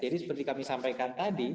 jadi seperti kami sampaikan tadi